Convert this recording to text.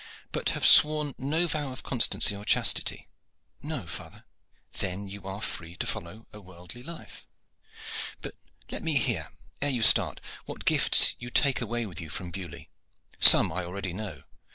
"But have sworn no vow of constancy or chastity?" "No, father." "Then you are free to follow a worldly life. But let me hear, ere you start, what gifts you take away with you from Beaulieu? Some I already know.